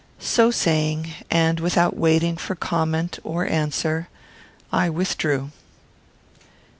So saying, and without waiting for comment or answer, I withdrew.